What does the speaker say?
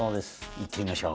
行ってみましょう。